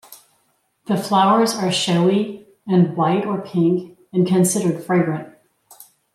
The flowers are showy and white or pink, and considered fragrant.